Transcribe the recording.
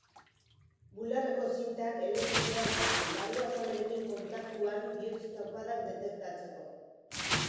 Bularreko zintak elektrodoak ditu larruazalarekin kontaktuan bihotz-taupadak detektatzeko.